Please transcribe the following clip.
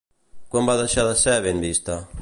Quan va deixar de ser ben vista?